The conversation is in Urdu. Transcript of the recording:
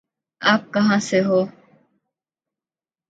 آپ کہاں سے ہوں؟